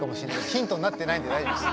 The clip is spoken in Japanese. ヒントになってないんで大丈夫です。